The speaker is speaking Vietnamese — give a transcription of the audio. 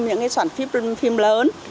những cái sản phim lớn